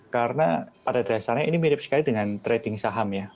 karena pada dasarnya ini mirip sekali dengan trading saham ya